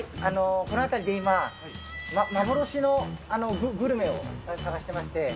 このあたりで今、幻のグ、グルメを探してまして。